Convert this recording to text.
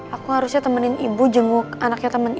aku harusnya temenin ibu jenguk anaknya temen ibu